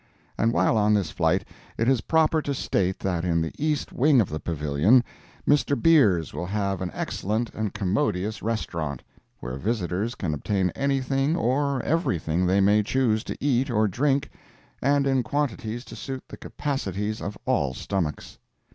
And while on this flight, it is proper to state that in the east wing of the Pavilion, Mr. Beers will have an excellent and commodious restaurant, where visitors can obtain anything or everything they may choose to eat or drink, and in quantities to suit the capacities of all stomachs.